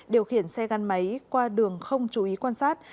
điều khiển xe gắn máy qua đường không chú ý quan sát